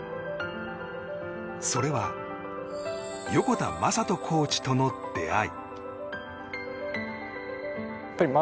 それは横田真人コーチとの出会い。